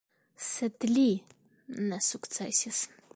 Sed li ne sukcesis.